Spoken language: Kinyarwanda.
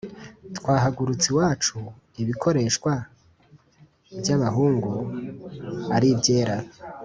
Twahagurutse iwacu ibikoreshwa by’abahungu ari ibyera